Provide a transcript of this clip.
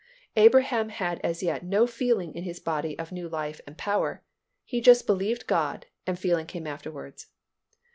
Abraham had as yet no feeling in his body of new life and power. He just believed God and feeling came afterwards.